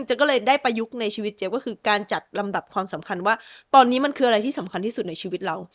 ก็เลยได้ประยุกต์ในชีวิตเจ๊ก็คือการจัดลำดับความสำคัญว่าตอนนี้มันคืออะไรที่สำคัญที่สุดในชีวิตเรา